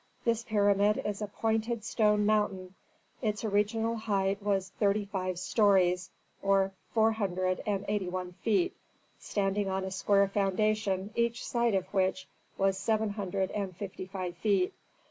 This pyramid is a pointed stone mountain; its original height was thirty five stories, or four hundred and eighty one feet, standing on a square foundation each side of which was seven hundred and fifty five feet.